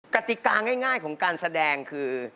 กติกาง่ายของการแสดงคือ